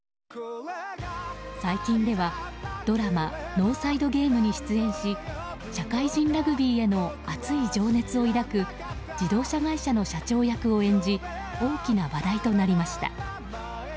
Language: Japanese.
最近ではドラマ「ノーサイド・ゲーム」に出演し社会人ラグビーへの熱い情熱を抱く自動車会社の社長役を演じ大きな話題となりました。